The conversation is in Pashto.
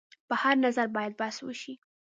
پر هر نظر باید بحث وشي.